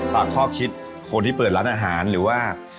ข้อคิดคนที่เปิดร้านอาหารหรือว่า